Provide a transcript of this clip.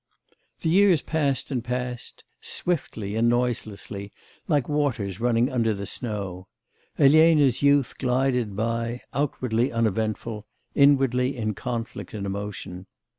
The years passed and passed; swiftly and noiselessly, like waters running under the snow, Elena's youth glided by, outwardly uneventful, inwardly in conflict and emotion.